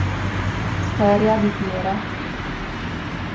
Storia di Piera